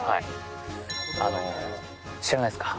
あの知らないですか？